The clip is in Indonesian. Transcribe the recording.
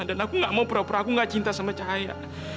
dan aku gak mau pura pura aku gak cinta sama cahaya